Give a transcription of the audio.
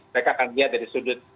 mereka akan lihat dari sudut